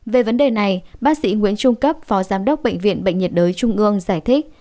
về vấn đề này bác sĩ nguyễn trung cấp phó giám đốc bệnh viện bệnh nhiệt đới trung ương giải thích